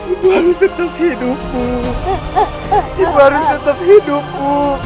ibu harus tetap hidup bu ibu harus tetap hidup bu